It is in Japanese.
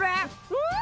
うん。